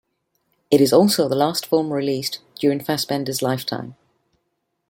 It is also the last film released during Fassbinder's lifetime.